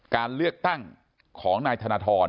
การเลือกตั้งของนายธนทร